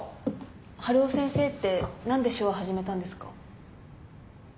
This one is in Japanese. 春尾先生って何で手話始めたんですか？